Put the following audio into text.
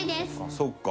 そっか。